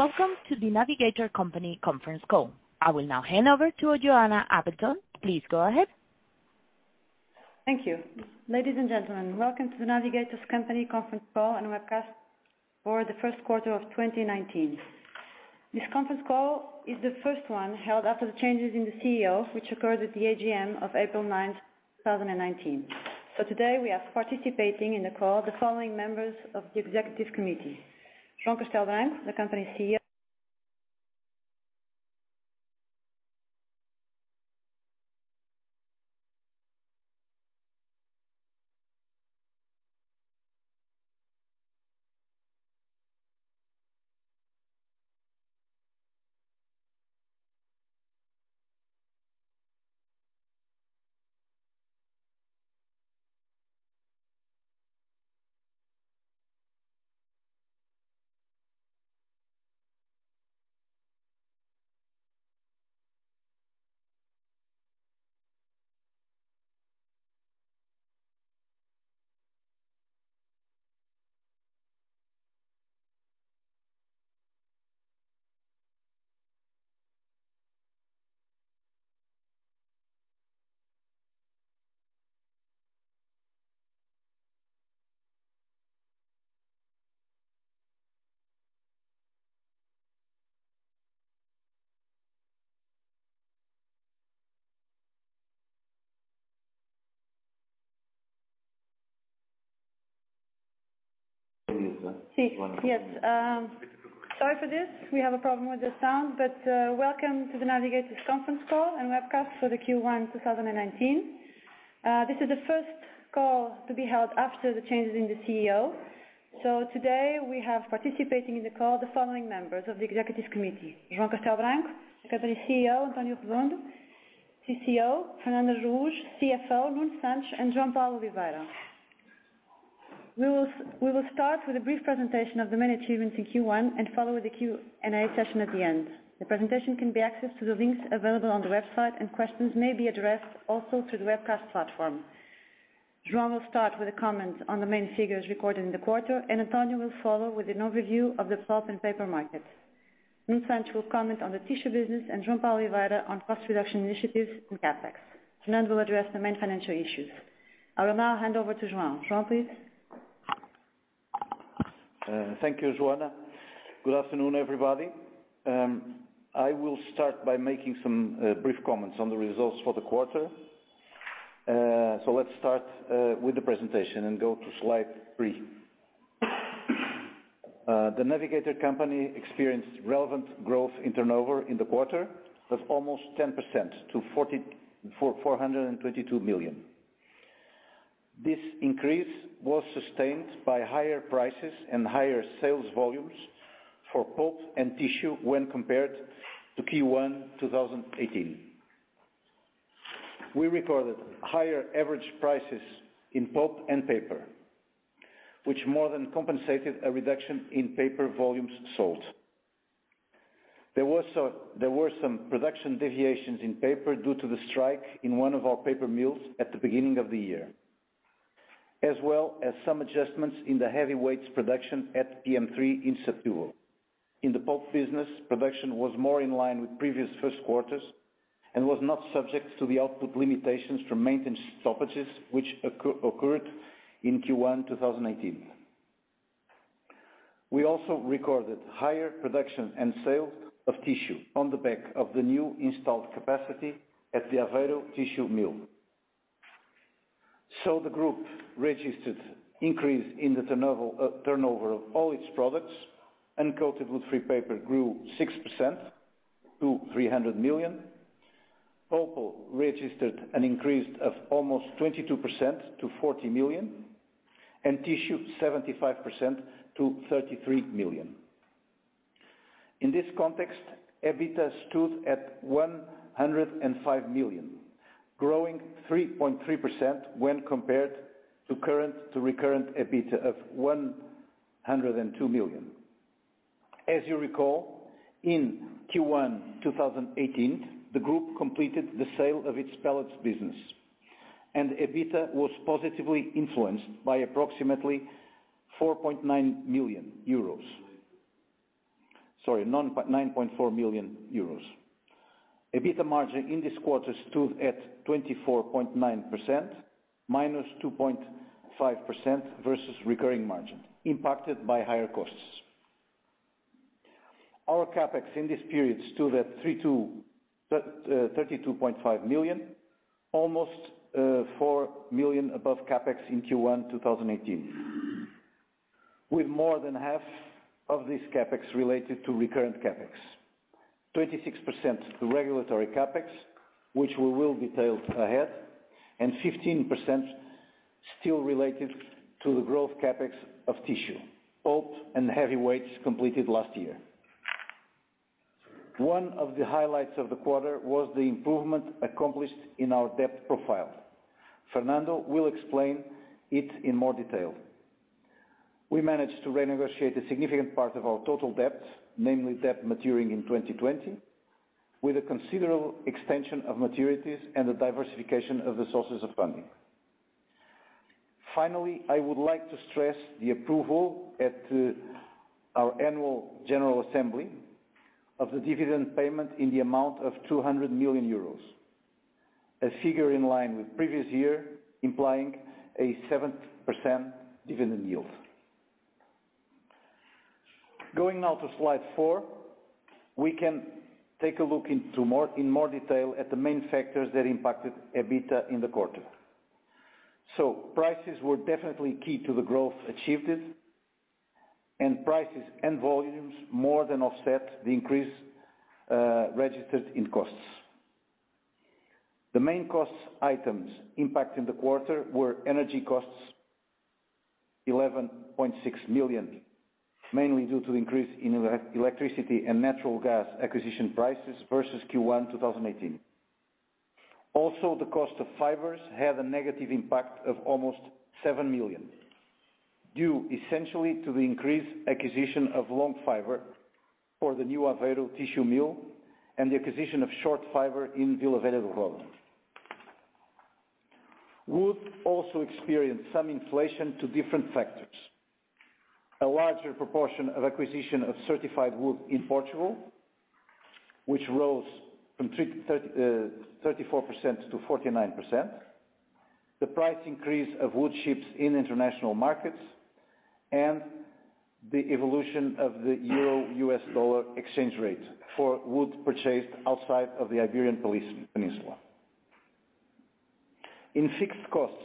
Welcome to The Navigator Company conference call. I will now hand over to Joana Appleton. Please go ahead. Thank you. Ladies and gentlemen, welcome to The Navigator Company's conference call and webcast for the first quarter of 2019. This conference call is the first one held after the changes in the CEO, which occurred at the AGM of April 9th, 2019. Today we have participating in the call the following members of the executive committee, João Castello Branco, the company CEO. Si. Yes. Sorry for this. We have a problem with the sound. Welcome to The Navigator Company's conference call and webcast for the Q1 2019. This is the first call to be held after the changes in the CEO. Today we have participating in the call the following members of the executive committee, João Castello Branco, the company CEO; António Redondo, CCO; Fernando Araújo, CFO; Nuno Santos, and João Paulo Oliveira. We will start with a brief presentation of the main achievements in Q1 and follow with the Q&A session at the end. The presentation can be accessed to the links available on the website, and questions may be addressed also to the webcast platform. João will start with a comment on the main figures recorded in the quarter, and António will follow with an overview of the pulp and paper markets. Nuno Santos will comment on the tissue business and João Paulo Oliveira on cost reduction initiatives and CapEx. Fernando will address the main financial issues. I will now hand over to João. João, please. Thank you, Joana. Good afternoon, everybody. I will start by making some brief comments on the results for the quarter. Let's start with the presentation and go to slide three. The Navigator Company experienced relevant growth in turnover in the quarter of almost 10% to 422 million. This increase was sustained by higher prices and higher sales volumes for pulp and tissue when compared to Q1 2018. We recorded higher average prices in pulp and paper, which more than compensated a reduction in paper volumes sold. There were some production deviations in paper due to the strike in one of our paper mills at the beginning of the year, as well as some adjustments in the heavyweights production at PM3 in Setúbal. In the pulp business, production was more in line with previous first quarters and was not subject to the output limitations from maintenance stoppages, which occurred in Q1 2018. We also recorded higher production and sale of tissue on the back of the new installed capacity at the Aveiro tissue mill. The group registered increase in the turnover of all its products. Uncoated wood-free paper grew 6% to 300 million. Pulp registered an increase of almost 22% to 40 million, and tissue 75% to 33 million. In this context, EBITDA stood at 105 million, growing 3.3% when compared to recurrent EBITDA of 102 million. As you recall, in Q1 2018, the group completed the sale of its pellets business, and EBITDA was positively influenced by approximately 4.9 million euros. Sorry, 9.4 million euros. EBITDA margin in this quarter stood at 24.9%, -2.5% versus recurring margin impacted by higher costs. Our CapEx in this period stood at 32.5 million, almost 4 million above CapEx in Q1 2018, with more than half of this CapEx related to recurrent CapEx, 26% to regulatory CapEx, which we will detail ahead, and 15% still related to the growth CapEx of tissue, pulp, and heavyweights completed last year. One of the highlights of the quarter was the improvement accomplished in our debt profile. Fernando will explain it in more detail. We managed to renegotiate a significant part of our total debt, namely debt maturing in 2020, with a considerable extension of maturities and a diversification of the sources of funding. Finally, I would like to stress the approval at our annual general assembly of the dividend payment in the amount of 200 million euros. A figure in line with previous year, implying a 7% dividend yield. Going now to slide four, we can take a look in more detail at the main factors that impacted EBITDA in the quarter. Prices were definitely key to the growth achieved, and prices and volumes more than offset the increase registered in costs. The main cost items impact in the quarter were energy costs, 11.6 million, mainly due to the increase in electricity and natural gas acquisition prices versus Q1 2018. Also, the cost of fibers had a negative impact of almost 7 million, due essentially to the increased acquisition of long fiber for the new Aveiro tissue mill and the acquisition of short fiber in Vila Nova de Famalicão. Wood also experienced some inflation to different factors. A larger proportion of acquisition of certified wood in Portugal, which rose from 34%-49%. The price increase of wood chips in international markets, and the evolution of the euro-U.S. dollar exchange rate for wood purchased outside of the Iberian Peninsula. In fixed costs,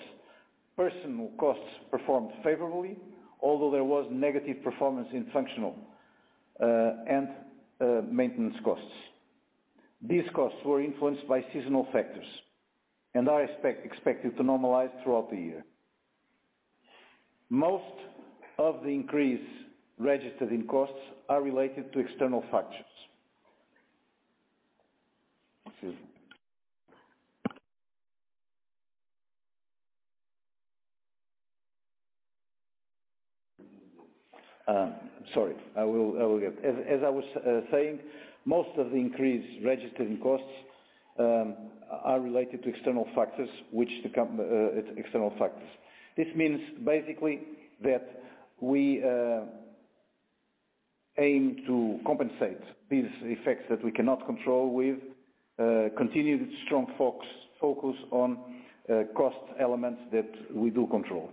personal costs performed favorably, although there was negative performance in functional and maintenance costs. These costs were influenced by seasonal factors, and are expected to normalize throughout the year. Most of the increase registered in costs are related to external factors. Excuse me. Sorry. As I was saying, most of the increase registered in costs are related to external factors. This means basically that we aim to compensate these effects that we cannot control with continued strong focus on cost elements that we do control.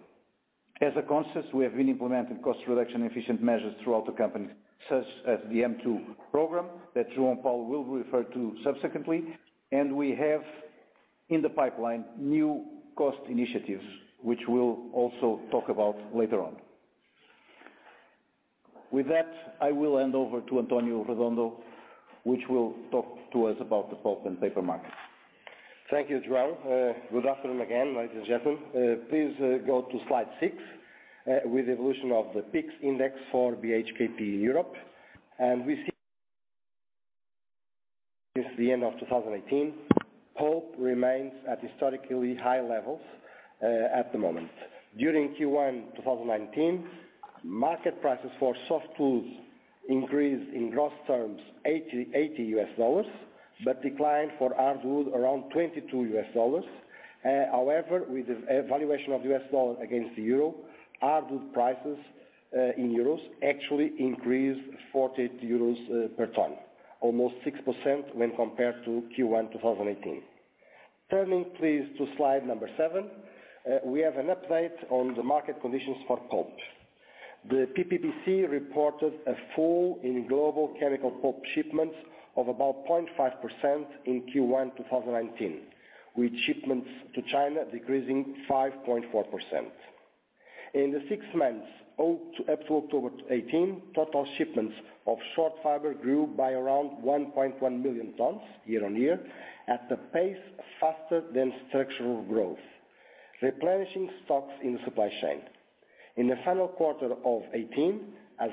As a concept, we have been implementing cost reduction efficient measures throughout the company, such as the M2 program that João Paulo will refer to subsequently. We have in the pipeline new cost initiatives, which we will also talk about later on. With that, I will hand over to António Redondo, which will talk to us about the pulp and paper market. Thank you, João. Good afternoon again, ladies and gentlemen. Please go to slide six, with evolution of the PIX index for BHKP Europe. We see since the end of 2018, pulp remains at historically high levels at the moment. During Q1 2019, market prices for softwood increased in gross terms $80, but declined for hardwood around $22. However, with the valuation of the U.S. dollar against the euro, hardwood prices in euros actually increased 48 euros per ton, almost 6% when compared to Q1 2018. Turning please to slide number seven, we have an update on the market conditions for pulp. The PPPC reported a fall in global chemical pulp shipments of about 0.5% in Q1 2019, with shipments to China decreasing 5.4%. In the six months up to October 2018, total shipments of short fiber grew by around 1.1 million tons year-on-year at a pace faster than structural growth, replenishing stocks in the supply chain. In the final quarter of 2018, as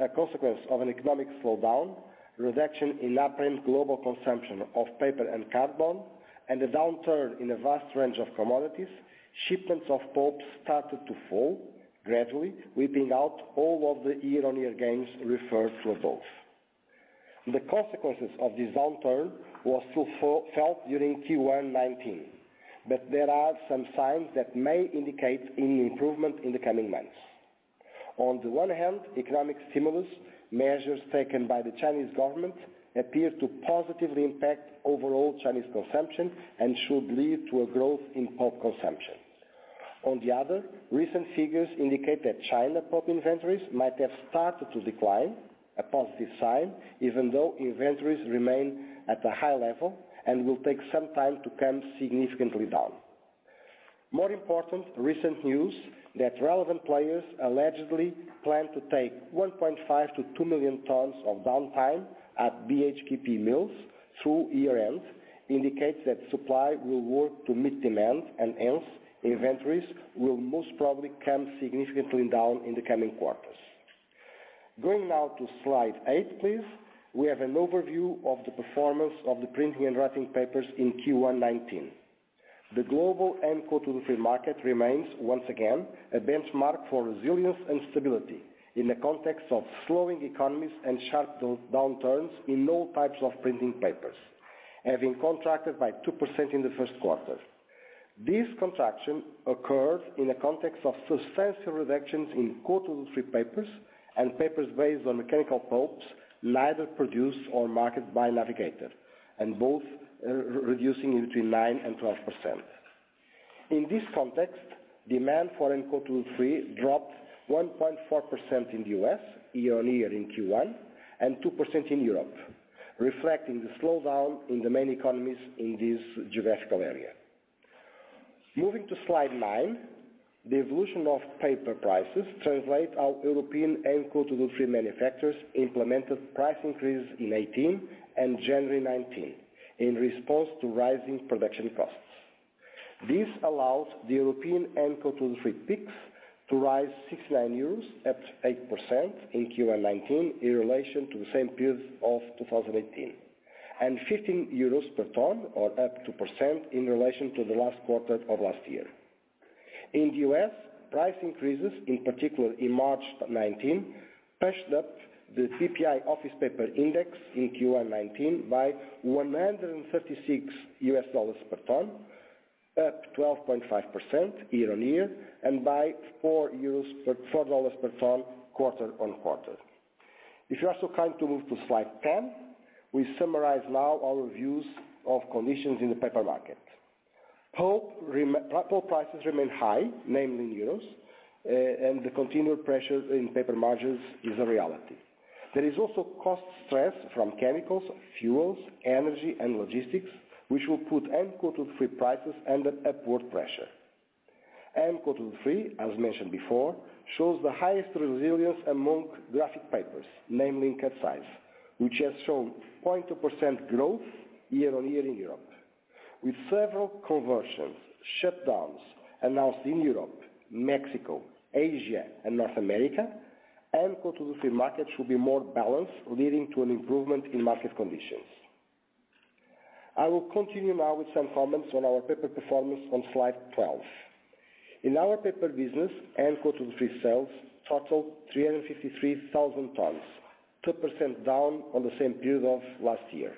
a consequence of an economic slowdown, reduction in apparent global consumption of paper and cardboard, and a downturn in a vast range of commodities, shipments of pulp started to fall gradually, wiping out all of the year-on-year gains referred to above. The consequences of this downturn was still felt during Q1 2019, but there are some signs that may indicate an improvement in the coming months. On the one hand, economic stimulus measures taken by the Chinese government appear to positively impact overall Chinese consumption and should lead to a growth in pulp consumption. On the other, recent figures indicate that China pulp inventories might have started to decline, a positive sign, even though inventories remain at a high level and will take some time to come significantly down. More important recent news that relevant players allegedly plan to take 1.5-2 million tons of downtime at BHKP mills through year-end, indicates that supply will work to meet demand, and hence, inventories will most probably come significantly down in the coming quarters. Going now to slide eight, please. We have an overview of the performance of the printing and writing papers in Q1 2019. The global and uncoated woodfree market remains, once again, a benchmark for resilience and stability in the context of slowing economies and sharp downturns in all types of printing papers, having contracted by 2% in the first quarter. This contraction occurred in a context of substantial reductions in uncoated wood-free papers and papers based on mechanical pulps, neither produced or marketed by Navigator, and both reducing between 9% and 12%. In this context, demand for uncoated woodfree dropped 1.4% in the U.S. year-on-year in Q1, and 2% in Europe, reflecting the slowdown in the main economies in this geographical area. Moving to slide nine, the evolution of paper prices translate our European uncoated woodfree manufacturers implemented price increases in 2018 and January 2019 in response to rising production costs. This allows the European uncoated woodfree prices to rise 69 euros at 8% in Q1 2019 in relation to the same period of 2018, and 15 euros per ton or up 2% in relation to the last quarter of last year. In the U.S., price increases, in particular in March 2019, pushed up the CPI office paper index in Q1 2019 by $136 per ton, up 12.5% year-on-year, and by $4 per ton quarter-on-quarter. If you are so kind to move to slide 10, we summarize now our views of conditions in the paper market. Pulp prices remain high, namely in EUR, and the continued pressure in paper margins is a reality. There is also cost stress from chemicals, fuels, energy, and logistics, which will put uncoated woodfree prices under upward pressure. Uncoated woodfree, as mentioned before, shows the highest resilience among graphic papers, namely in cut-size, which has shown 0.2% growth year-on-year in Europe. With several conversions, shutdowns announced in Europe, Mexico, Asia, and North America, uncoated woodfree markets should be more balanced, leading to an improvement in market conditions. I will continue now with some comments on our paper performance on slide 12. In our paper business, uncoated woodfree sales totaled 353,000 tons, 2% down on the same period of last year,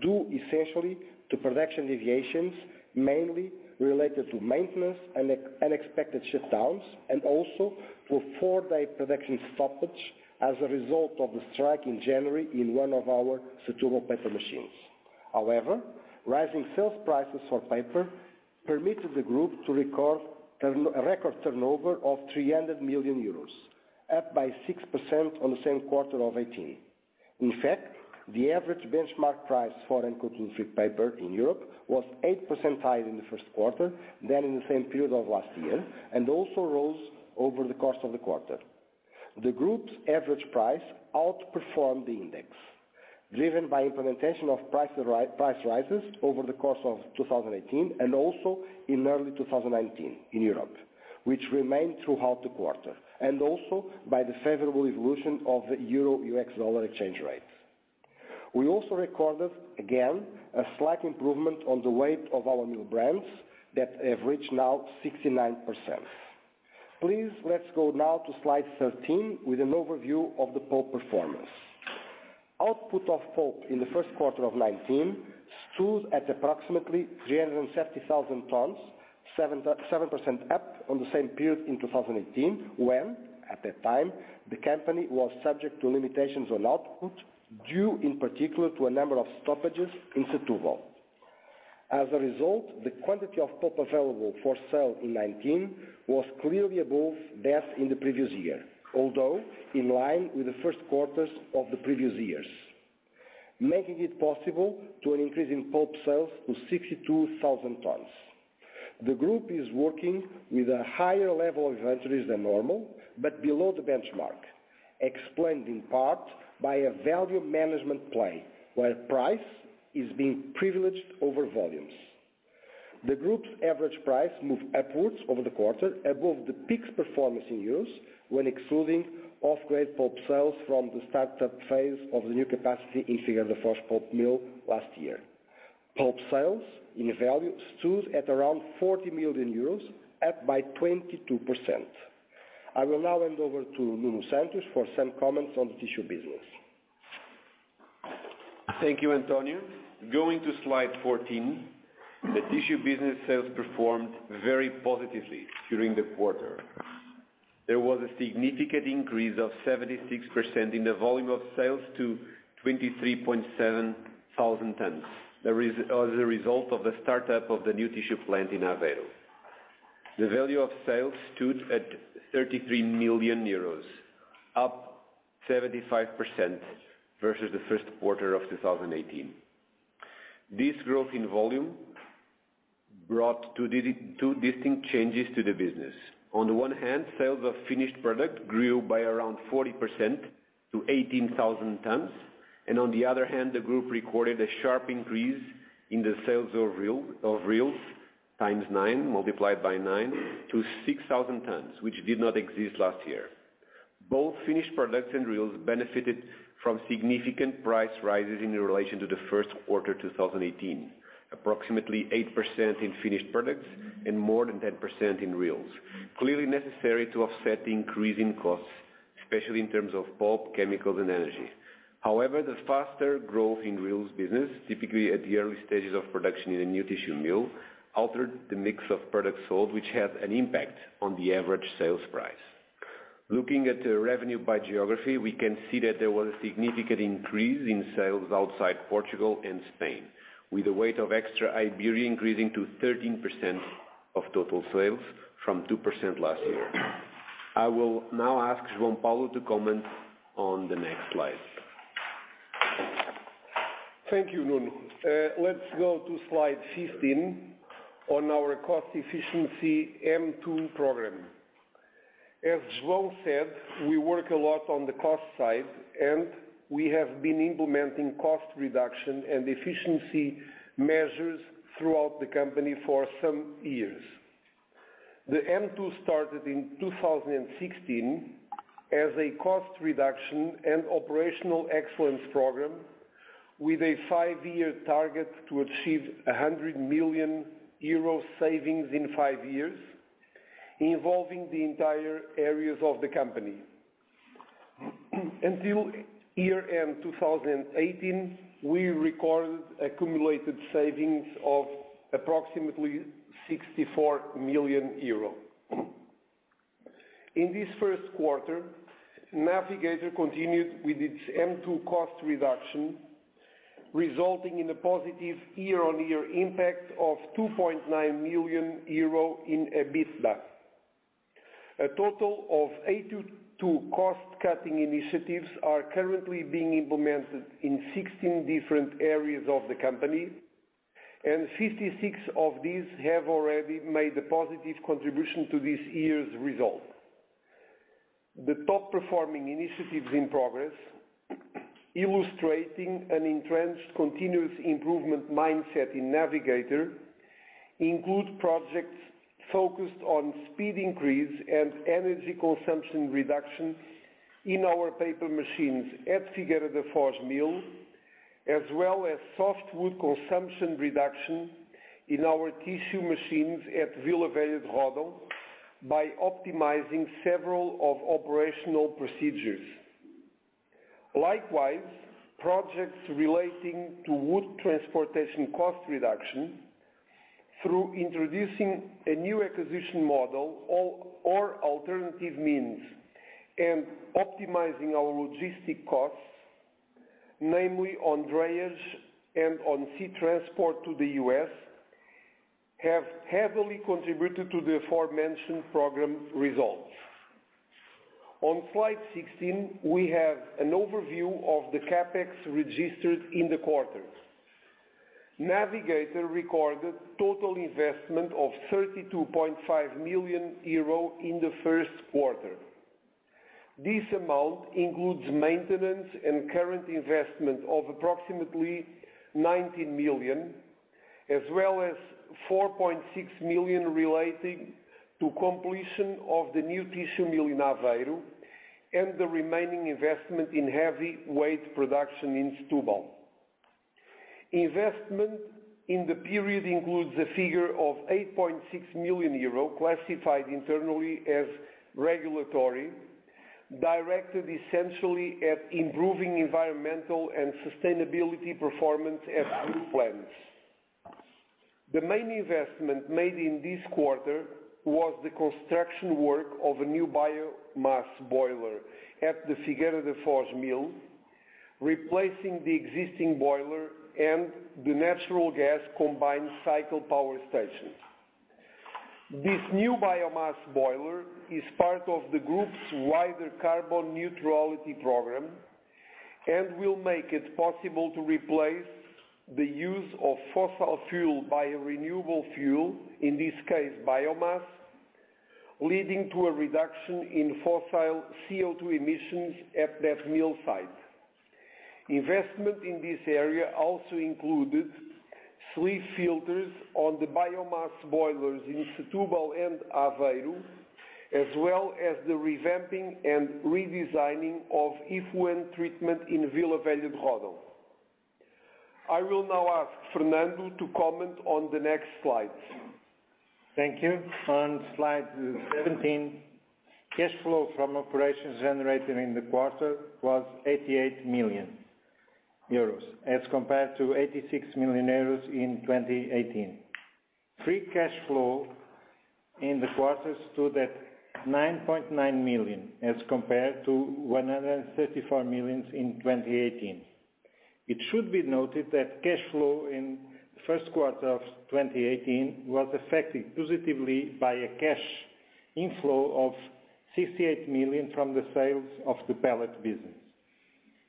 due essentially to production deviations, mainly related to maintenance and unexpected shutdowns, and also for a four-day production stoppage as a result of the strike in January in one of our Setúbal paper machines. However, rising sales prices for paper permitted the group to record a record turnover of 300 million euros, up by 6% on the same quarter of 2018. In fact, the average benchmark price for uncoated woodfree paper in Europe was 8% higher in the first quarter than in the same period of last year, and also rose over the course of the quarter. The group's average price outperformed the index, driven by implementation of price rises over the course of 2018 and also in early 2019 in Europe, which remained throughout the quarter, and also by the favorable evolution of the euro-U.S. dollar exchange rate. We also recorded, again, a slight improvement on the weight of our new brands that have reached now 69%. Please, let's go now to slide 13 with an overview of the pulp performance. Output of pulp in the first quarter of 2019 stood at approximately 350,000 tons, 7% up on the same period in 2018, when at that time, the company was subject to limitations on output due, in particular, to a number of stoppages in Setúbal. As a result, the quantity of pulp available for sale in 2019 was clearly above that in the previous year, although in line with the first quarters of the previous years, making it possible to an increase in pulp sales to 62,000 tons. The group is working with a higher level of inventories than normal, but below the benchmark, explained in part by a value management play, where price is being privileged over volumes. The group's average price moved upwards over the quarter above the peak performance in EUR when excluding off-grade pulp sales from the startup phase of the new capacity in Figueira da Foz pulp mill last year. Pulp sales in value stood at around 40 million euros, up by 22%. I will now hand over to Nuno Santos for some comments on the tissue business. Thank you, António. Going to slide 14. The tissue business sales performed very positively during the quarter. There was a significant increase of 76% in the volume of sales to 23,700 tons. As a result of the startup of the new tissue plant in Aveiro. The value of sales stood at 33 million euros, up 75% versus the first quarter of 2018. This growth in volume brought two distinct changes to the business. On the one hand, sales of finished product grew by around 40% to 18,000 tons. On the other hand, the group recorded a sharp increase in the sales of reels times nine, multiplied by nine, to 6,000 tons, which did not exist last year. Both finished products and reels benefited from significant price rises in relation to the first quarter 2018. Approximately 8% in finished products and more than 10% in reels. Clearly necessary to offset the increase in costs, especially in terms of pulp, chemicals, and energy. However, the faster growth in reels business, typically at the early stages of production in a new tissue mill, altered the mix of products sold, which had an impact on the average sales price. Looking at the revenue by geography, we can see that there was a significant increase in sales outside Portugal and Spain, with the weight of extra Iberian increasing to 13% of total sales from 2% last year. I will now ask João Paulo to comment on the next slide. Thank you, Nuno. Let's go to slide 15 on our cost efficiency M2 program. As João said, we work a lot on the cost side, and we have been implementing cost reduction and efficiency measures throughout the company for some years. The M2 started in 2016 as a cost reduction and operational excellence program with a five-year target to achieve 100 million euro savings in five years, involving the entire areas of the company. Until year-end 2018, we recorded accumulated savings of approximately 64 million euros. In this first quarter, Navigator continued with its M2 cost reduction, resulting in a positive year-on-year impact of 2.9 million euro in EBITDA. A total of 82 cost-cutting initiatives are currently being implemented in 16 different areas of the company, and 56 of these have already made a positive contribution to this year's result. The top-performing initiatives in progress, illustrating an entrenched continuous improvement mindset in Navigator, include projects focused on speed increase and energy consumption reduction in our paper machines at Figueira da Foz mill, as well as softwood consumption reduction in our tissue machines at Vila Velha de Ródão by optimizing several of operational procedures. Likewise, projects relating to wood transportation cost reduction through introducing a new acquisition model or alternative means and optimizing our logistic costs, namely on drayage and on sea transport to the U.S., have heavily contributed to the aforementioned program results. On slide 16, we have an overview of the CapEx registered in the quarter. Navigator recorded total investment of 32.5 million euro in the first quarter. This amount includes maintenance and current investment of approximately 19 million, as well as 4.6 million relating to completion of the new tissue mill in Aveiro, and the remaining investment in heavyweight production in Setúbal. Investment in the period includes a figure of 8.6 million euro classified internally as regulatory, directed essentially at improving environmental and sustainability performance at group plants. The main investment made in this quarter was the construction work of a new biomass boiler at the Figueira da Foz mill, replacing the existing boiler and the natural gas combined cycle power station. This new biomass boiler is part of the group's wider carbon neutrality program, will make it possible to replace the use of fossil fuel by a renewable fuel, in this case, biomass, leading to a reduction in fossil CO2 emissions at that mill site. Investment in this area also included sleeve filters on the biomass boilers in Setúbal and Aveiro, as well as the revamping and redesigning of effluent treatment in Vila Velha de Ródão. I will now ask Fernando to comment on the next slides. Thank you. On slide 17, cash flow from operations generated in the quarter was 88 million euros as compared to 86 million euros in 2018. Free cash flow in the quarter stood at 9.9 million as compared to 134 million in 2018. It should be noted that cash flow in first quarter of 2018 was affected positively by a cash inflow of 68 million from the sales of the pellet business.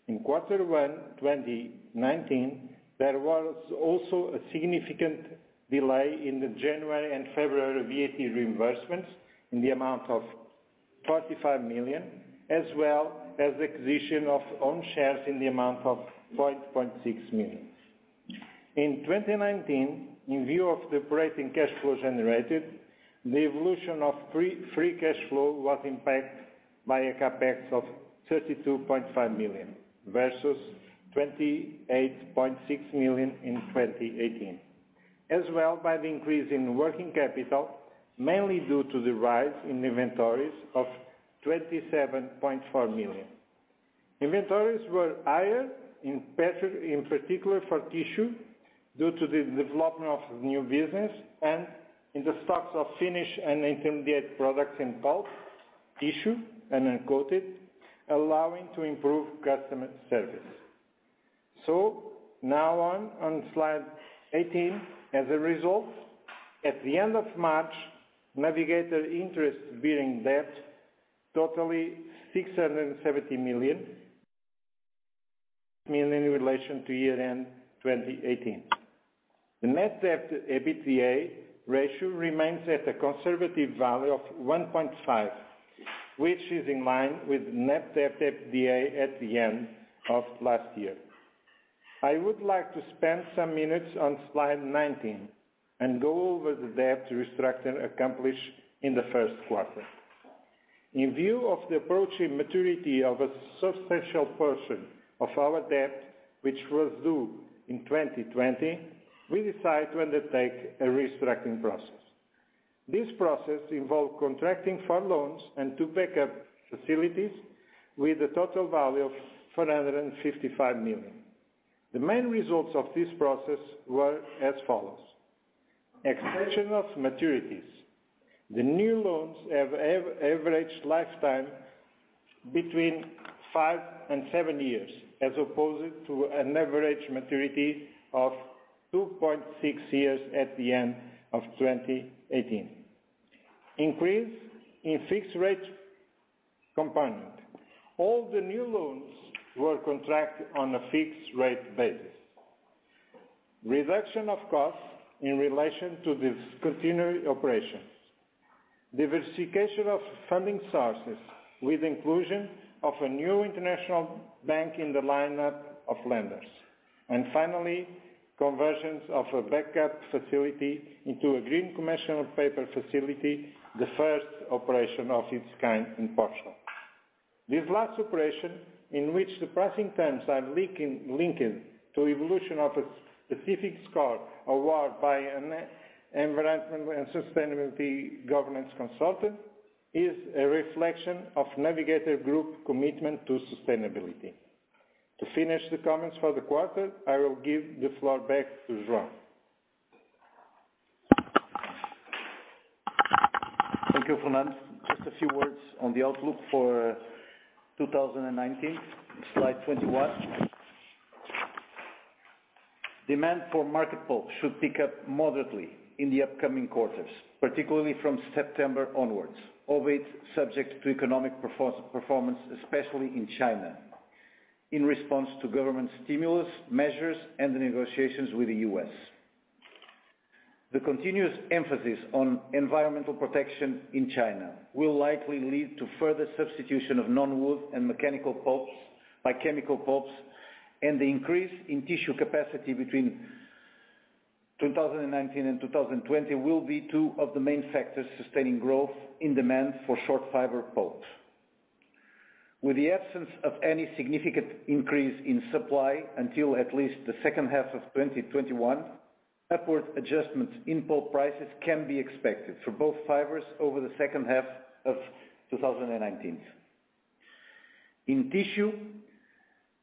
In quarter one 2019, there was also a significant delay in the January and February VAT reimbursements in the amount of 45 million, as well as acquisition of own shares in the amount of 4.6 million. In 2019, in view of the operating cash flow generatedThe evolution of free cash flow was impacted by a CapEx of 32.5 million versus 28.6 million in 2018. By the increase in working capital, mainly due to the rise in inventories of 27.4 million. Inventories were higher, in particular for tissue, due to the development of new business and in the stocks of finished and intermediate products in pulp, tissue, and uncoated, allowing to improve customer service. Now on slide 18, as a result, at the end of March, Navigator interest-bearing debt totaling EUR 670 million in relation to year-end 2018. The net debt to EBITDA ratio remains at a conservative value of 1.5, which is in line with net debt to EBITDA at the end of last year. I would like to spend some minutes on slide 19 and go over the debt restructuring accomplished in the first quarter. In view of the approaching maturity of a substantial portion of our debt, which was due in 2020, we decided to undertake a restructuring process. This process involved contracting for loans and two backup facilities with a total value of 455 million. The main results of this process were as follows. Extension of maturities. The new loans have average lifetime between five and seven years, as opposed to an average maturity of 2.6 years at the end of 2018. Increase in fixed rate component. All the new loans were contracted on a fixed rate basis. Reduction of costs in relation to discontinued operations. Diversification of funding sources with the inclusion of a new international bank in the lineup of lenders. Finally, conversions of a backup facility into a green commercial paper facility, the first operation of its kind in Portugal. This last operation, in which the pricing terms are linked to evolution of a specific score awarded by an environmental and sustainability governance consultant, is a reflection of Navigator Group commitment to sustainability. To finish the comments for the quarter, I will give the floor back to João. Thank you, Fernando. Just a few words on the outlook for 2019. Slide 21. Demand for market pulp should pick up moderately in the upcoming quarters, particularly from September onwards, albeit subject to economic performance, especially in China, in response to government stimulus measures and the negotiations with the U.S. The continuous emphasis on environmental protection in China will likely lead to further substitution of non-wood and mechanical pulps by chemical pulps, and the increase in tissue capacity between 2019 and 2020 will be two of the main factors sustaining growth in demand for short fiber pulp. With the absence of any significant increase in supply until at least the second half of 2021, upward adjustments in pulp prices can be expected for both fibers over the second half of 2019. In tissue,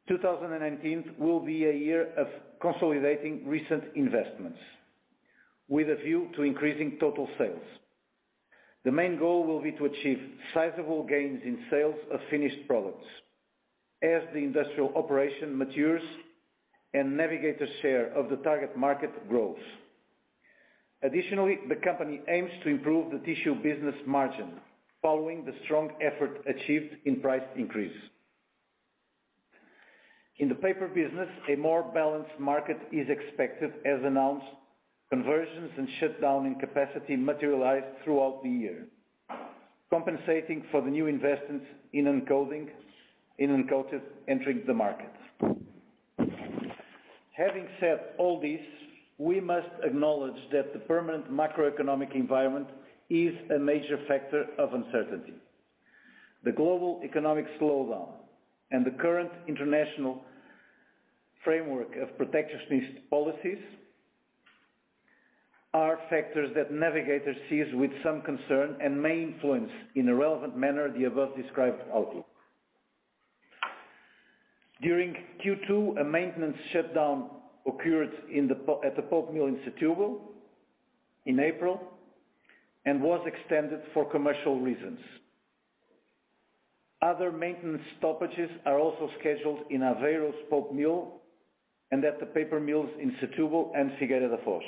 2019 will be a year of consolidating recent investments with a view to increasing total sales. The main goal will be to achieve sizable gains in sales of finished products as the industrial operation matures and Navigator's share of the target market grows. Additionally, the company aims to improve the tissue business margin following the strong effort achieved in price increases. In the paper business, a more balanced market is expected as announced conversions and shutdown in capacity materialize throughout the year, compensating for the new investments in uncoated entering the market. Having said all this, we must acknowledge that the permanent macroeconomic environment is a major factor of uncertainty. The global economic slowdown and the current international framework of protectionist policies are factors that Navigator sees with some concern and may influence, in a relevant manner, the above described outlook. During Q2, a maintenance shutdown occurred at the pulp mill in Setúbal in April and was extended for commercial reasons. Other maintenance stoppages are also scheduled in Aveiro's pulp mill and at the paper mills in Setúbal and Figueira da Foz.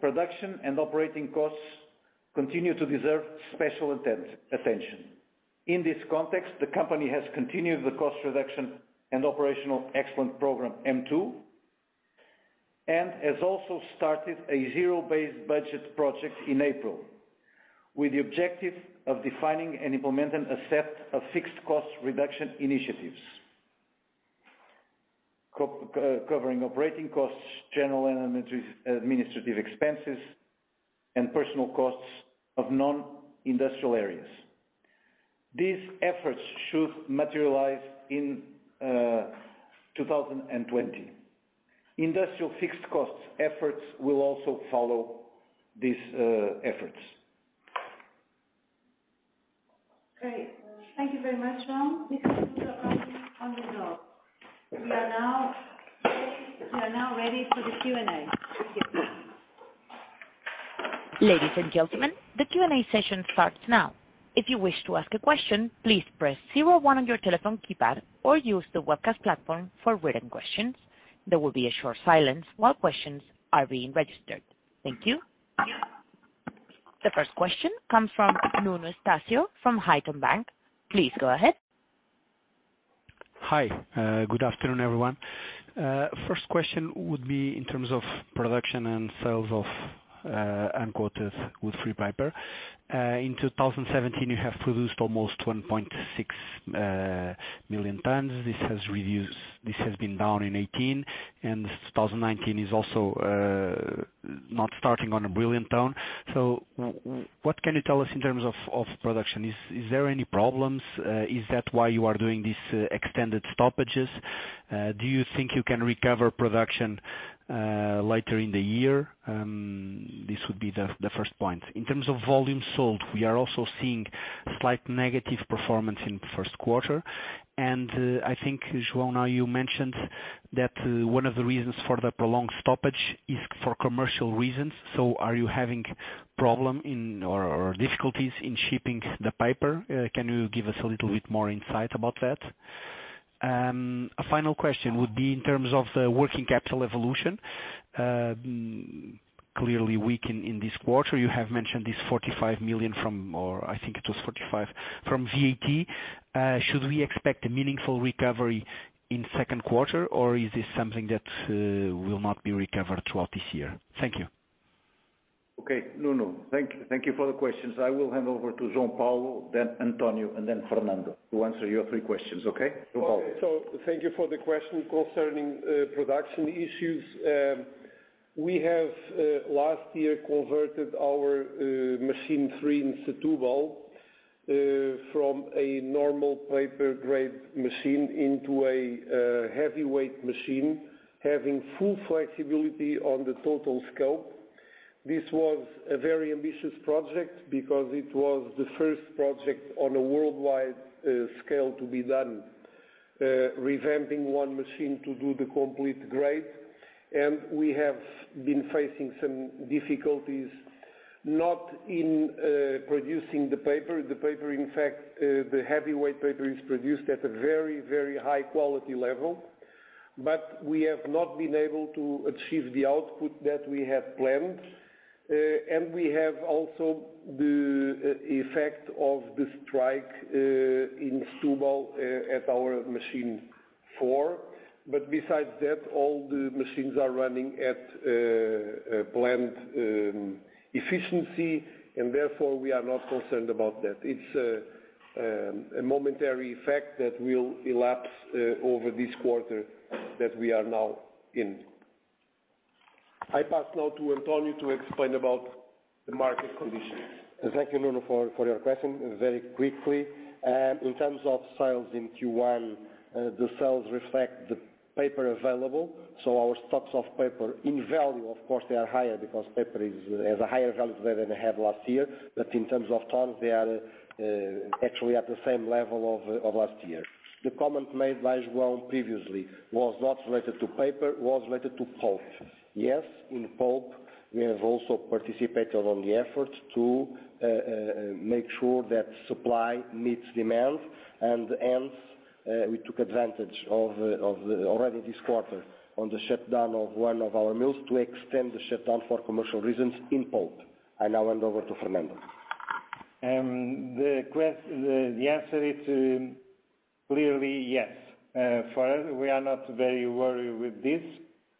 Production and operating costs continue to deserve special attention. In this context, the company has continued the cost reduction and operational excellence program M2, and has also started a zero-based budget project in April with the objective of defining and implementing a set of fixed cost reduction initiatives. Covering operating costs, general and administrative expenses, and personal costs of non-industrial areas. These efforts should materialize in 2020. Industrial fixed costs efforts will also follow these efforts. Great. Thank you very much, João. This concludes our on the road. We are now ready for the Q&A. Ladies and gentlemen, the Q&A session starts now. If you wish to ask a question, please press 01 on your telephone keypad or use the webcast platform for written questions. There will be a short silence while questions are being registered. Thank you. The first question comes from Nuno Estácio from Haitong Bank. Please go ahead. Hi. Good afternoon, everyone. First question would be in terms of production and sales of uncoated woodfree paper. In 2017, you have produced almost 1.6 million tons. This has been down in 2018, and 2019 is also not starting on a brilliant tone. What can you tell us in terms of off production? Is there any problems? Is that why you are doing these extended stoppages? Do you think you can recover production later in the year? This would be the first point. In terms of volume sold, we are also seeing slight negative performance in the first quarter. I think, João, now you mentioned that one of the reasons for the prolonged stoppage is for commercial reasons. Are you having problem or difficulties in shipping the paper? Can you give us a little bit more insight about that? A final question would be in terms of the working capital evolution. Clearly weak in this quarter. You have mentioned this 45 million, or I think it was 45 from VAT. Should we expect a meaningful recovery in second quarter, or is this something that will not be recovered throughout this year? Thank you. Okay, Nuno. Thank you for the questions. I will hand over to João Paulo, then António, and then Fernando to answer your three questions, okay? João Paulo. Thank you for the question concerning production issues. We have last year converted our machine 3 in Setúbal from a normal paper grade machine into a heavyweight machine, having full flexibility on the total scope. This was a very ambitious project because it was the first project on a worldwide scale to be done, revamping one machine to do the complete grade. We have been facing some difficulties, not in producing the paper. The paper, in fact, the heavyweight paper is produced at a very, very high quality level, but we have not been able to achieve the output that we have planned. We have also the effect of the strike in Setúbal at our machine 4. Besides that, all the machines are running at planned efficiency, and therefore we are not concerned about that. It's a momentary effect that will elapse over this quarter that we are now in. I pass now to António to explain about the market conditions. Thank you, Nuno, for your question. Very quickly, in terms of sales in Q1, the sales reflect the paper available. Our stocks of paper in value, of course, they are higher because paper has a higher value than they had last year. In terms of tons, they are actually at the same level of last year. The comment made by João previously was not related to paper, was related to pulp. Yes, in pulp, we have also participated on the effort to make sure that supply meets demand, and hence, we took advantage of already this quarter on the shutdown of one of our mills to extend the shutdown for commercial reasons in pulp. I now hand over to Fernando. The answer is clearly yes. For us, we are not very worried with this.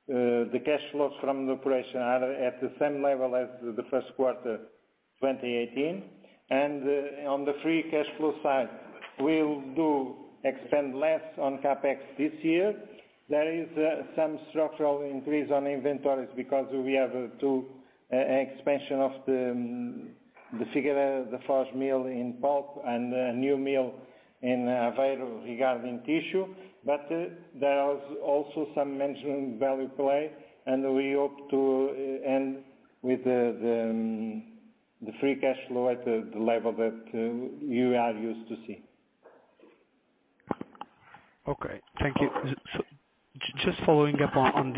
The cash flows from the operation are at the same level as the first quarter 2018. On the free cash flow side, we'll do expand less on CapEx this year. There is some structural increase on inventories because we have two expansion of the Figueira da Foz mill in pulp and a new mill in Aveiro regarding tissue. There is also some management value play, and we hope to end with the free cash flow at the level that you are used to see. Just following up on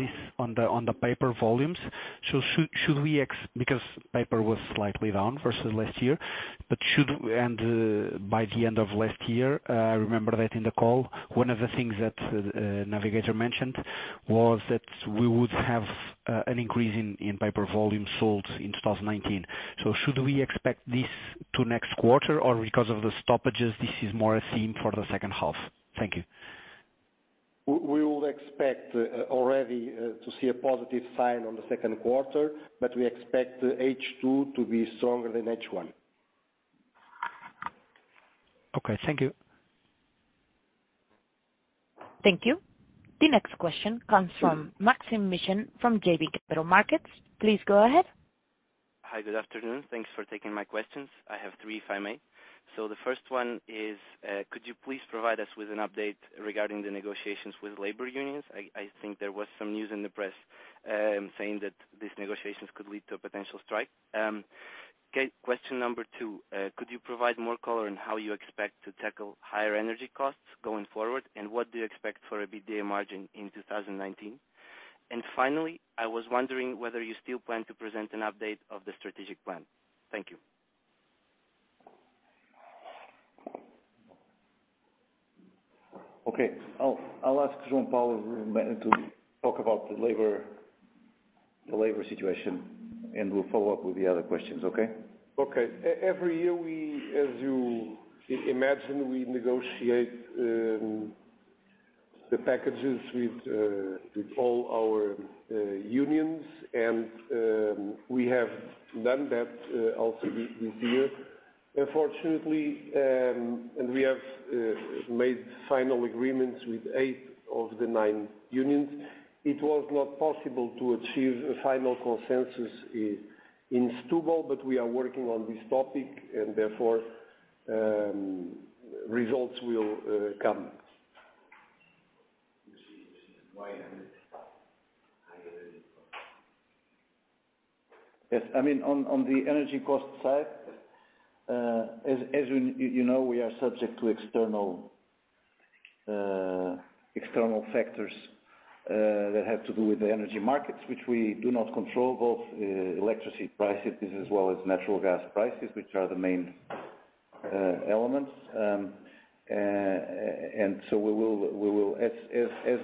the paper volumes, because paper was slightly down versus last year, and by the end of last year, I remember that in the call, one of the things that Navigator mentioned was that we would have an increase in paper volume sold in 2019. Should we expect this to next quarter, or because of the stoppages, this is more a theme for the second half? Thank you. We would expect already to see a positive sign on the second quarter. We expect H2 to be stronger than H1. Okay, thank you. Thank you. The next question comes from Maxime Missonnier from JB Capital Markets. Please go ahead. Hi. Good afternoon. Thanks for taking my questions. I have three, if I may. The first one is, could you please provide us with an update regarding the negotiations with labor unions? I think there was some news in the press saying that these negotiations could lead to a potential strike. Question number 2, could you provide more color on how you expect to tackle higher energy costs going forward, and what do you expect for EBITDA margin in 2019? Finally, I was wondering whether you still plan to present an update of the strategic plan. Thank you. Okay. I'll ask João Paulo to talk about the labor situation. We'll follow up with the other questions, okay? Okay. Every year, as you imagine, we negotiate the packages with all our unions. We have done that also this year. Fortunately, we have made final agreements with eight of the nine unions. It was not possible to achieve a final consensus in Setúbal, but we are working on this topic. Therefore, results will come. Yes. On the energy cost side, as you know, we are subject to external factors that have to do with the energy markets which we do not control, both electricity prices as well as natural gas prices, which are the main elements. As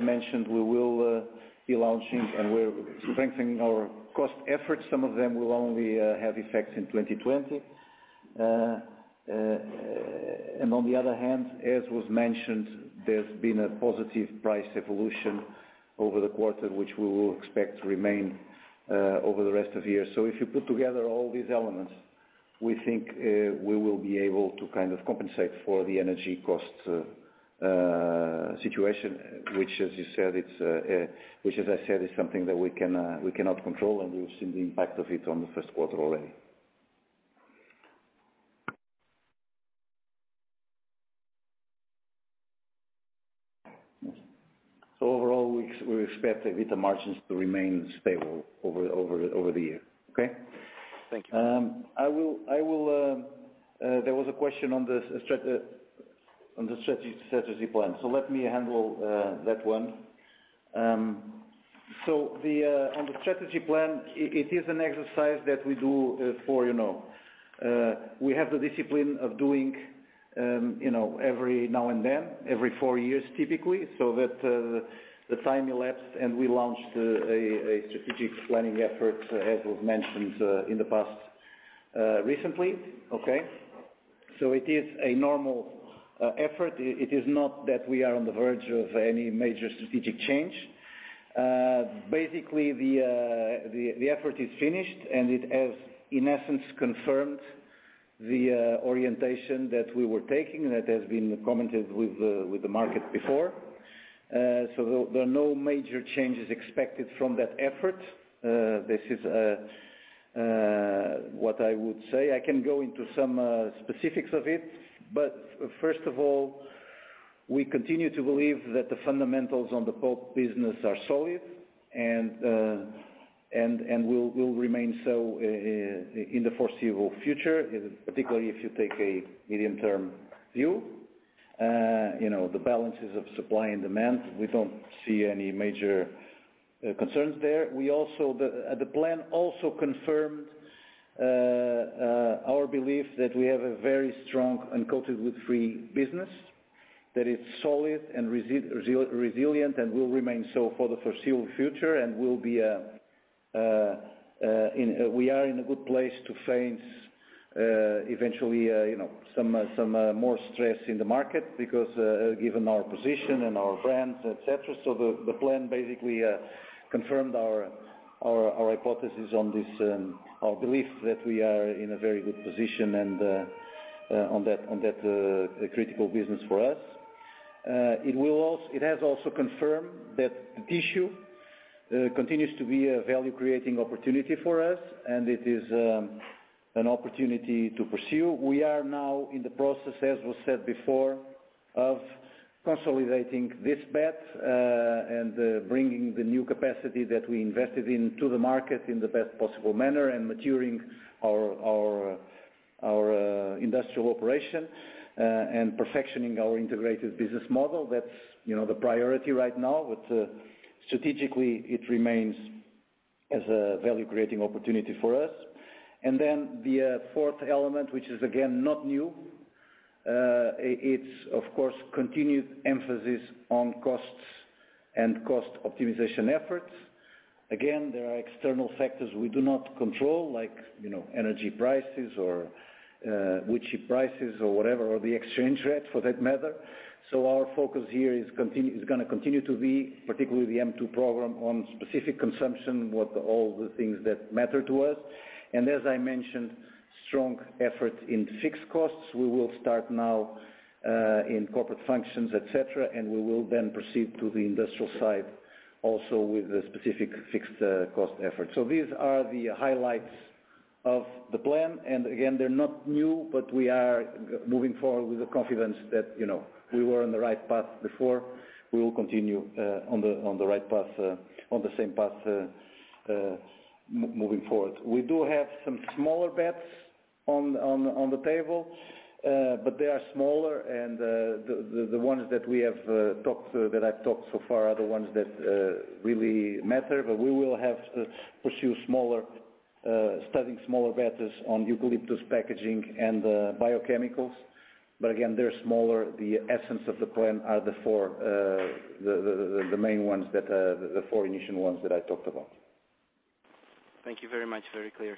mentioned, we will be launching and we're strengthening our cost efforts. Some of them will only have effects in 2020. On the other hand, as was mentioned, there's been a positive price evolution over the quarter, which we will expect to remain over the rest of the year. If you put together all these elements, we think we will be able to compensate for the energy cost situation, which as I said, is something that we cannot control. We've seen the impact of it on the first quarter already. Overall, we expect EBITDA margins to remain stable over the year. Okay? Thank you. There was a question on the strategy plan. Let me handle that one. On the strategy plan, it is an exercise that we do every now and then, every four years, typically, so that the time elapsed, and we launched a strategic planning effort, as was mentioned, in the past recently. Okay. It is a normal effort. It is not that we are on the verge of any major strategic change. Basically, the effort is finished, and it has, in essence, confirmed the orientation that we were taking, that has been commented with the market before. There are no major changes expected from that effort. This is what I would say. I can go into some specifics of it. First of all, we continue to believe that the fundamentals on the pulp business are solid and will remain so in the foreseeable future, particularly if you take a medium-term view. The balances of supply and demand, we don't see any major concerns there. The plan also confirmed our belief that we have a very strong uncoated woodfree business that is solid and resilient and will remain so for the foreseeable future, and we are in a good place to face eventually some more stress in the market because given our position and our brands, et cetera. The plan basically confirmed our hypothesis on this, our belief that we are in a very good position on that critical business for us. It has also confirmed that tissue continues to be a value-creating opportunity for us, and it is an opportunity to pursue. We are now in the process, as was said before, of consolidating this bet, and bringing the new capacity that we invested in to the market in the best possible manner, and maturing our industrial operation, and perfectioning our integrated business model. That's the priority right now. Strategically, it remains as a value-creating opportunity for us. Then the fourth element, which is again, not new, it's, of course, continued emphasis on costs and cost optimization efforts. Again, there are external factors we do not control, like energy prices or wood chip prices or whatever, or the exchange rate for that matter. Our focus here is going to continue to be, particularly the M2 program on specific consumption, with all the things that matter to us. As I mentioned, strong effort in fixed costs. We will start now in corporate functions, et cetera, and we will then proceed to the industrial side also with a specific fixed cost effort. These are the highlights of the plan, and again, they're not new, but we are moving forward with the confidence that we were on the right path before. We will continue on the right path, on the same path moving forward. We do have some smaller bets on the table, they are smaller, and the ones that I've talked so far are the ones that really matter. We will have to pursue studying smaller bets on eucalyptus packaging and biochemicals. Again, they're smaller. The essence of the plan are the main ones, the four initial ones that I talked about. Thank you very much. Very clear.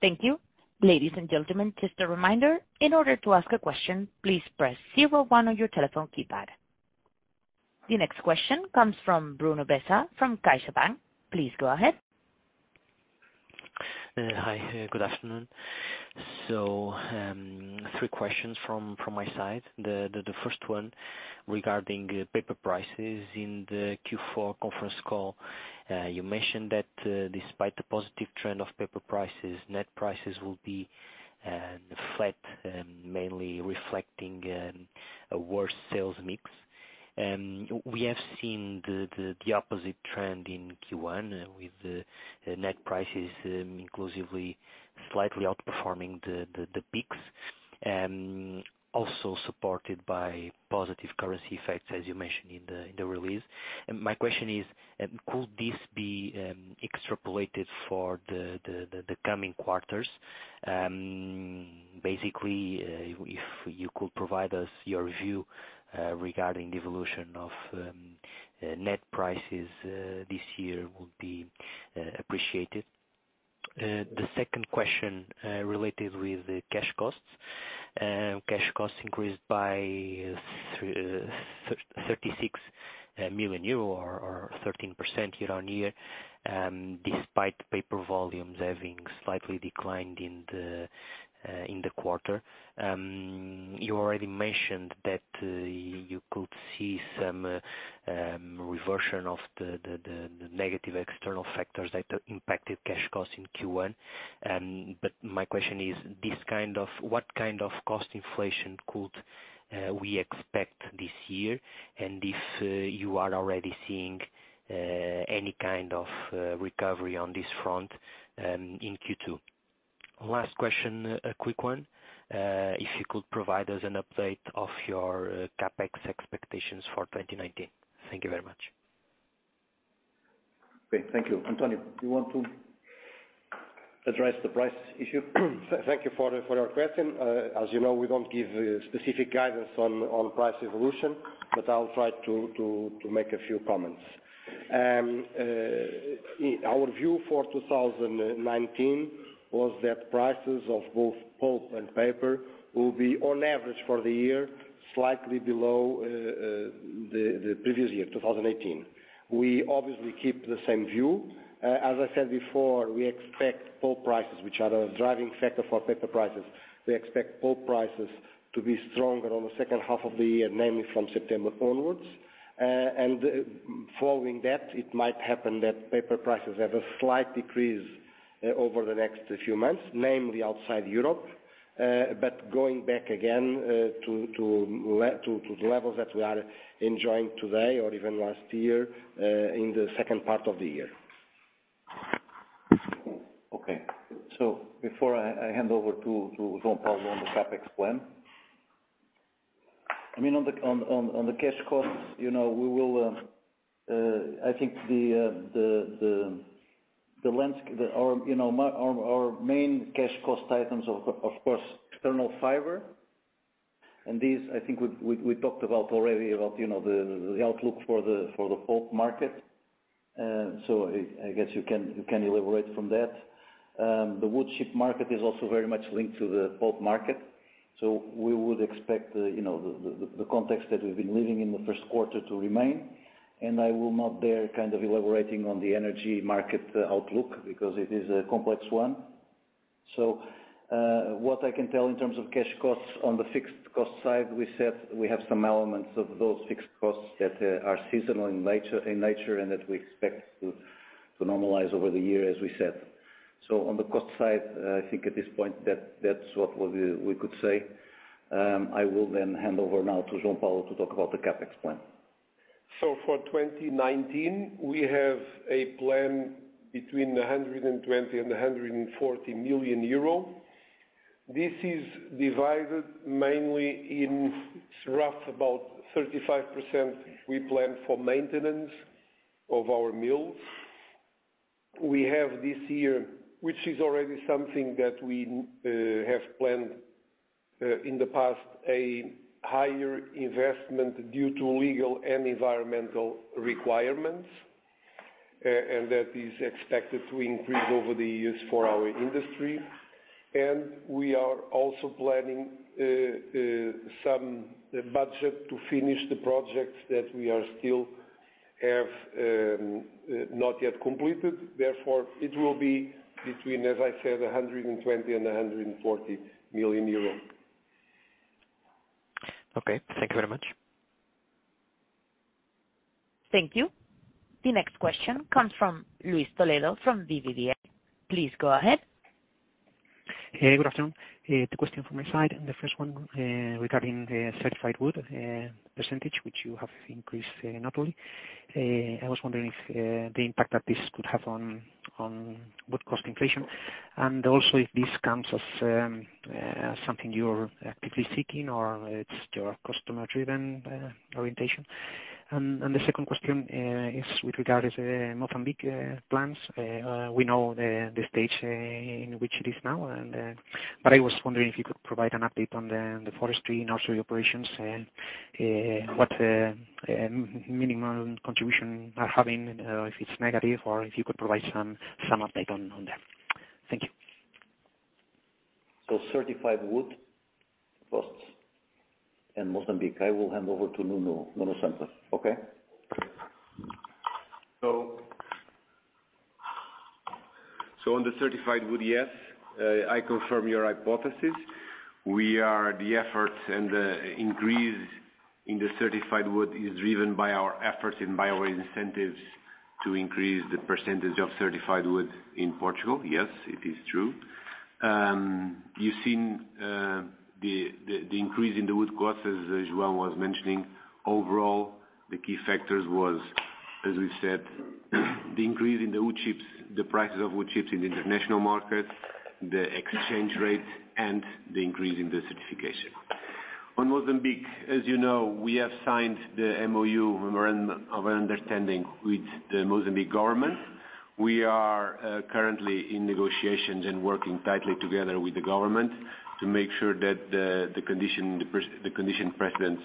Thank you. Ladies and gentlemen, just a reminder, in order to ask a question, please press 01 on your telephone keypad. The next question comes from Bruno Bessa, from CaixaBank. Please go ahead. Hi. Good afternoon. Three questions from my side. The first one regarding paper prices. In the Q4 conference call, you mentioned that despite the positive trend of paper prices, net prices will be flat, mainly reflecting a worse sales mix. We have seen the opposite trend in Q1 with the net prices inclusively slightly outperforming the peaks, also supported by positive currency effects, as you mentioned in the release. My question is, could this be extrapolated for the coming quarters? Basically, if you could provide us your view regarding the evolution of net prices this year, would be appreciated. The second question related with the cash costs. Cash costs increased by 36 million euro or 13% year-on-year, despite paper volumes having slightly declined in the quarter. You already mentioned that you could see some reversion of the negative external factors that impacted cash costs in Q1. My question is, what kind of cost inflation could we expect this year? If you are already seeing any kind of recovery on this front in Q2. Last question, a quick one. If you could provide us an update of your CapEx expectations for 2019. Thank you very much. Okay. Thank you. António, you want to address the price issue? Thank you for your question. As you know, we don't give specific guidance on price evolution, but I'll try to make a few comments. Our view for 2019 was that prices of both pulp and paper will be on average for the year, slightly below the previous year, 2018. We obviously keep the same view. As I said before, we expect pulp prices, which are the driving factor for paper prices, we expect pulp prices to be stronger on the second half of the year, namely from September onwards. Following that, it might happen that paper prices have a slight decrease over the next few months, namely outside Europe. Going back again to the levels that we are enjoying today or even last year, in the second part of the year. Before I hand over to João Paulo on the CapEx plan, on the cash costs, our main cash cost items are, of course, external fiber. These, I think we talked about already about the outlook for the pulp market. I guess you can elaborate from that. The wood chip market is also very much linked to the pulp market. We would expect the context that we've been living in the first quarter to remain, and I will not dare elaborating on the energy market outlook because it is a complex one. What I can tell in terms of cash costs, on the fixed cost side, we said we have some elements of those fixed costs that are seasonal in nature, and that we expect to normalize over the year as we said. On the cost side, I think at this point that's what we could say. I will then hand over now to João Paulo to talk about the CapEx plan. For 2019, we have a plan between 120 million euro and 140 million euro. This is divided mainly in rough, about 35% we plan for maintenance of our mills. We have this year, which is already something that we have planned in the past, a higher investment due to legal and environmental requirements. That is expected to increase over the years for our industry. We are also planning some budget to finish the projects that we still have not yet completed. Therefore, it will be between, as I said, 120 million and 140 million euros. Okay. Thank you very much. Thank you. The next question comes from Luis Toledo, from BBVA. Please go ahead. Hey, good afternoon. Two question from my side, the first one regarding the certified wood percentage, which you have increased notably. I was wondering if the impact that this could have on wood cost inflation, also if this comes as something you're actively seeking or it's your customer-driven orientation. The second question is with regard to Mozambique plans. We know the stage in which it is now, but I was wondering if you could provide an update on the forestry and nursery operations and what minimal contribution are having, if it's negative, or if you could provide some update on that. Thank you. Certified wood costs and Mozambique. I will hand over to Nuno Santos. Okay? On the certified wood, yes, I confirm your hypothesis. The efforts and the increase in the certified wood is driven by our efforts and by our incentives to increase the percentage of certified wood in Portugal. Yes, it is true. You've seen the increase in the wood costs as João was mentioning. Overall, the key factors was, as we said, the increase in the prices of wood chips in the international market, the exchange rate, and the increase in the certification. On Mozambique, as you know, we have signed the MoU, memorandum of understanding, with the Mozambique government. We are currently in negotiations and working tightly together with the government to make sure that the condition precedents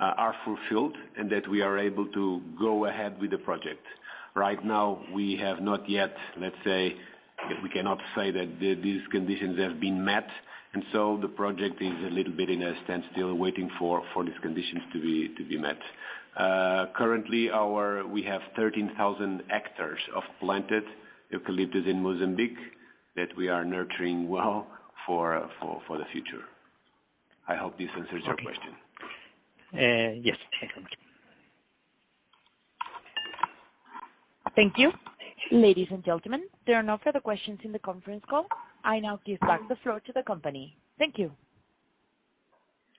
are fulfilled and that we are able to go ahead with the project. Right now, we have not yet, let's say, we cannot say that these conditions have been met, so the project is a little bit in a standstill waiting for these conditions to be met. Currently, we have 13,000 hectares of planted eucalyptus in Mozambique that we are nurturing well for the future. I hope this answers your question. Yes, thank you. Thank you. Ladies and gentlemen, there are no further questions in the conference call. I now give back the floor to the company. Thank you.